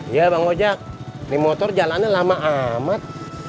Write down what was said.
iya bang hojak di motor jalannya lama amat